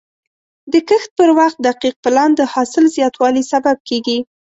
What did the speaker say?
د کښت پر وخت دقیق پلان د حاصل زیاتوالي سبب کېږي.